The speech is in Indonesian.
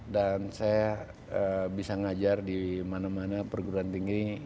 dan saya bisa ngajar di mana mana perguruan tinggi